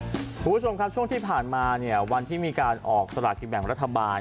คุณผู้ชมครับช่วงที่ผ่านมาเนี่ยวันที่มีการออกสลากกินแบ่งรัฐบาล